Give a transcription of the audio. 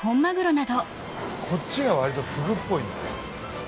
こっちが割とフグっぽいんだね。